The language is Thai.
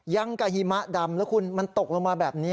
ยังกับหิมะดำแล้วคุณมันตกลงมาแบบนี้